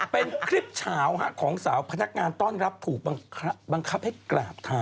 เป็นคลิปเฉาของสาวพนักงานต้อนรับถูกบังคับให้กราบเท้า